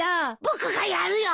僕がやるよ！